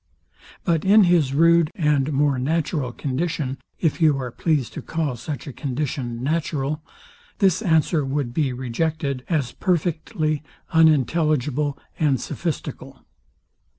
But in his rude and more natural condition, if you are pleased to call such a condition natural, this answer would be rejected as perfectly unintelligible and sophistical.